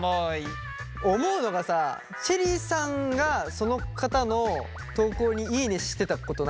思うのがさチェリーさんがその方の投稿にいいねしてたことないのかな？